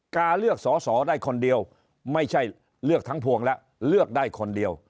กาเลือกสอสอได้คนเดียวไม่ใช่เลือกทั้งพวงแล้วเลือกได้คนเดียว